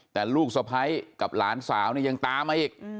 แต่ลูกสภัยกับหลานสาวยังตามมาอีก